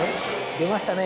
出ましたね